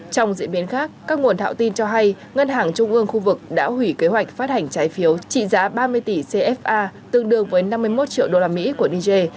trong diễn biến khác các nguồn thạo tin cho hay ngân hàng trung ương khu vực đã hủy kế hoạch phát hành trái phiếu trị giá ba mươi tỷ cfa tương đương với năm mươi một triệu usd của niger